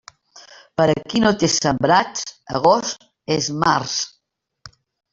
Per a qui no té sembrats, agost és març.